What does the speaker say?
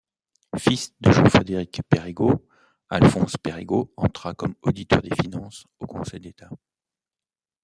Fils de Jean-Frédéric Perregaux, Alphonse Perregaux entra comme auditeur des finances au conseil d'État.